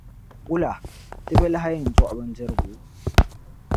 Wula, ti bɛ lahi yɛn duhi bindirgu?